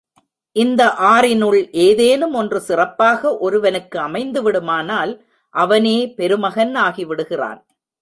இந்த ஆறினுள் ஏதேனும் ஒன்று சிறப்பாக ஒருவனுக்கு அமைந்துவிடுமானால் அவனே பெருமகன் ஆகிவிடுகிறான்.